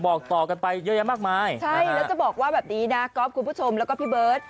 บอกต่อกันไปเยอะแยะมากมายใช่แล้วจะบอกว่าแบบนี้นะก๊อฟคุณผู้ชมแล้วก็พี่เบิร์ต